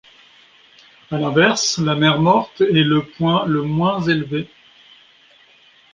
À l’inverse la Mer Morte est le point le moins élevé.